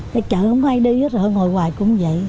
cái chợ không có ai đi hết rồi họ ngồi hoài cũng vậy